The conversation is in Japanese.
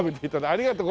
ありがとう。